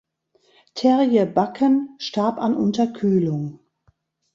Terje Bakken starb an Unterkühlung.